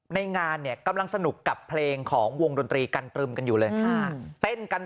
ในงานเนี่ยกำลังสนุกกับเพลงของวงดนตรีกันตรึมกันอยู่เลย